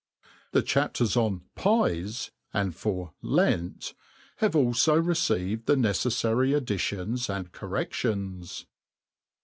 Tbe Chapters on Pics, and for Lent, have alfi received the necejfary additions and correSiions.